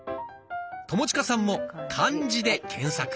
友近さんも「漢字」で検索。